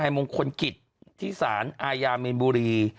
มงคลกิจที่สารอาญามีนบุรี